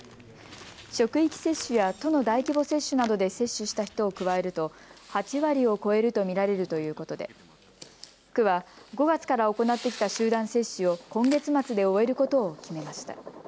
職域接種や都の大規模接種などで接種した人を加えると８割を超えると見られるということで区は５月から行ってきた集団接種を今月末で終えることを決めました。